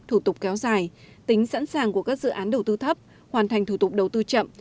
thủ tục kéo dài tính sẵn sàng của các dự án đầu tư thấp hoàn thành thủ tục đầu tư chậm